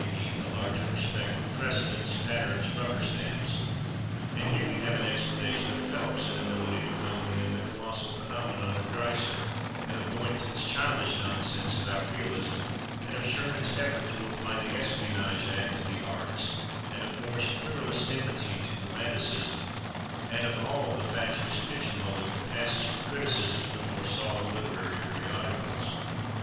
e._, a larger respect for precedents, patterns, rubber stamps—and here we have an explanation of Phelps's inability to comprehend the colossal phenomenon of Dreiser, and of Boynton's childish nonsense about realism, and of Sherman's effort to apply the Espionage Act to the arts, and of More's querulous enmity to romanticism, and of all the fatuous pigeon holing that passes for criticism in the more solemn literary periodicals.